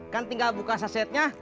kan tinggal buka sasetnya